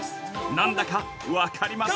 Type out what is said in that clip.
何だか分かりますか。